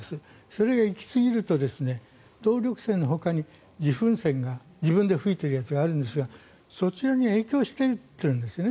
それが行き過ぎると動力泉のほかに自噴泉が、自分で噴いてるやつがあるんですがそちらに影響してくるんです。